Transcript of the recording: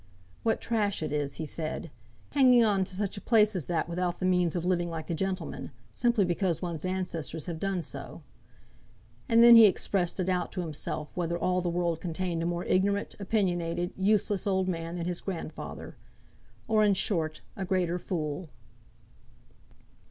"What trash it is," he said, "hanging on to such a place as that without the means of living like a gentleman, simply because one's ancestors have done so." And then he expressed a doubt to himself whether all the world contained a more ignorant, opinionated, useless old man than his grandfather, or, in short, a greater fool.